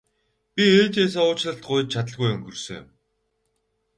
Би ээжээсээ уучлалт гуйж чадалгүй өнгөрсөн юм.